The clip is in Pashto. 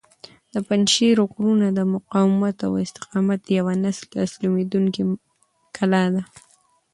د پنجشېر غرونه د مقاومت او استقامت یوه نه تسلیمیدونکې کلا ده.